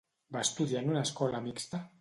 Va estudiar en una escola mixta?